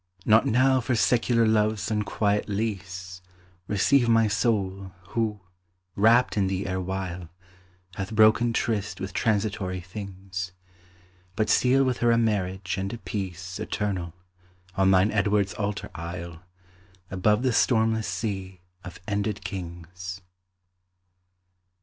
Not now for secular love's unquiet lease, Receive my soul, who, rapt in thee erewhile, Hath broken tryst with transitory things; But seal with her a marriage and a peace Eternal, on thine Edward's altar isle, Above the stormless sea of ended kings.